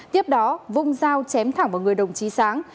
tiếp đó vung dao chém thẳng vào người đồng chí sáng